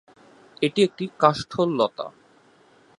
এটি একটি কাষ্ঠল লতা।